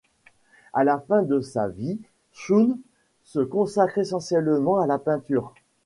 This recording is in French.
À la fin de sa vie, Shōun se consacre essentiellement à la peinture.